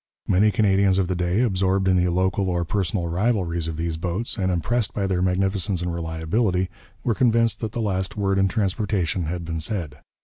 Many Canadians of the day, absorbed in the local or personal rivalries of these boats, and impressed by their magnificence and reliability, were convinced that the last word in transportation had been said.